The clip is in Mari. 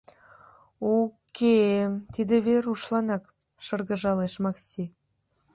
— Уке-э, тиде Верушланак, — шыргыжалеш Макси.